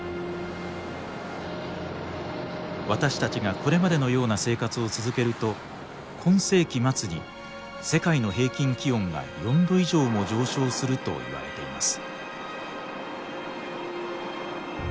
私たちがこれまでのような生活を続けると今世紀末に世界の平均気温が４度以上も上昇するといわれています。